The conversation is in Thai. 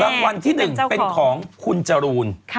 รางวัลที่๑เป็นของคุณจรูน